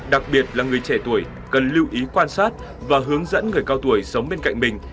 đặc biệt là người trẻ tuổi cần lưu ý quan sát và hướng dẫn người cao tuổi sống bên cạnh mình